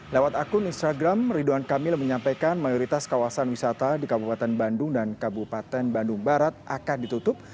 lewat akun instagram ridwan kamil menyampaikan mayoritas kawasan wisata di kabupaten bandung dan kabupaten bandung barat akan ditutup